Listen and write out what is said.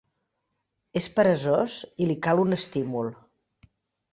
És peresós i li cal un estímul.